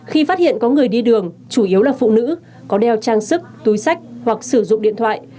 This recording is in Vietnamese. khi phát hiện có người đi đường chủ yếu là phụ nữ có đeo trang sức túi sách hoặc sử dụng điện thoại